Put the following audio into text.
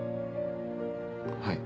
はい。